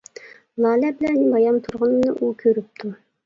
لالە بىلەن بايام تۇرغىنىمنى ئۇ كۆرۈپتۇ.